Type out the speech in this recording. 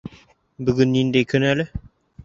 Бөгөн ниндәй көн әле?